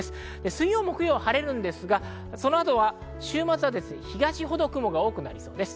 水曜、木曜は晴れますが、その後は週末は東ほど雲が多くなりそうです。